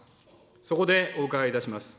そこでお伺いいたします。